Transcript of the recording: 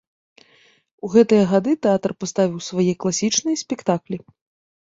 У гэтыя гады тэатр паставіў свае класічныя спектаклі.